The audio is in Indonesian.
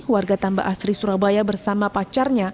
warga tambah asri surabaya bersama pacarnya